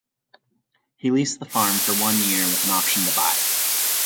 He leased the farm for one year with an option to buy.